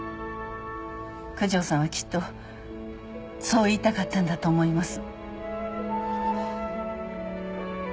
九条さんはきっとそう言いたかったんだと思います。